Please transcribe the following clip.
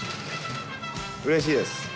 うれしいです。